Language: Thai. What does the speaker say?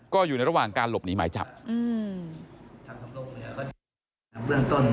ก็อยู่ในระหว่างการหลบหนีหมายจับอืม